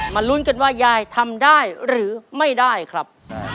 ลุ้นกันว่ายายทำได้หรือไม่ได้ครับ